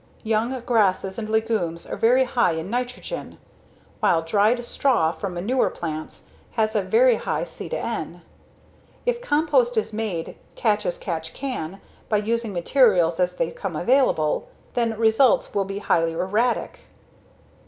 Young grasses and legumes are very high in nitrogen, while dried straw from mature plants has a very high C/N. If compost is made catch as catch can by using materials as they come available, then results will be highly erratic.